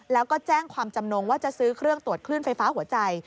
แล้วก็แจ้งความจำนงว่าจะซื้อเครื่องตรวจคลื่นไฟฟ้าหัวใจ